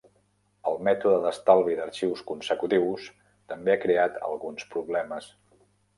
El mètode d'estalvi d'arxius consecutius també ha creat alguns problemes.